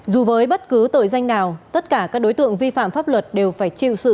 dù với bất cứ tội danh nào tất cả các đối tượng vi phạm pháp luật đều phải chịu sự